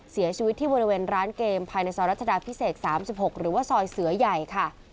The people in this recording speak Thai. เสียชีวิตที่บริเวณร้านเกมภายในซอยรัชดาพิเศษ๓๖หรือว่าซอยเสือใหญ่ค่ะ